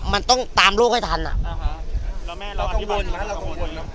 มันต้องตามโลกให้ทันอ่าแล้วแม่เราอธิบายเรากังวลนะ